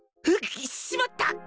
しまった！